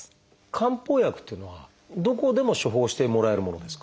漢方薬っていうのはどこでも処方してもらえるものですか？